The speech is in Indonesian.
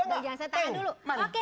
jangan saya tahan dulu